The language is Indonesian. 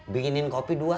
bikinin kopi dua